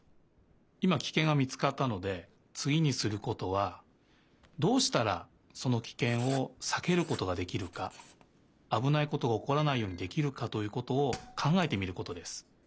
いまキケンがみつかったのでつぎにすることはどうしたらそのキケンをさけることができるかあぶないことがおこらないようにできるかということをかんがえてみることです。